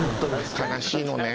悲しいのねん。